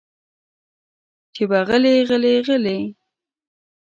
چې به غلې غلې غلې